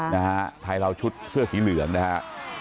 นะฮะไทยเราชุดเสื้อสีเหลืองนะฮะ